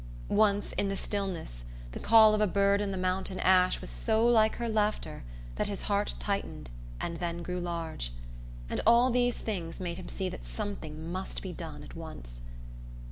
Once, in the stillness, the call of a bird in a mountain ash was so like her laughter that his heart tightened and then grew large; and all these things made him see that something must be done at once.